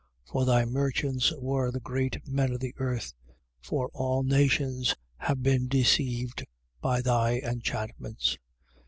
For thy merchants were the great men of the earth: for all nations have been deceived by thy enchantments.